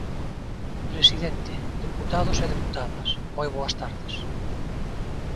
Presidente, deputados e deputadas, moi boas tardes.